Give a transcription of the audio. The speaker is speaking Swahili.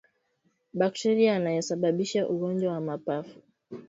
Bakteria anayesababisha ugonjwa wa mapafu